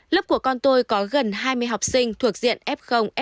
lớp của con tôi có gần hai mươi học sinh thuộc diện f f một phải nghỉ ở nhà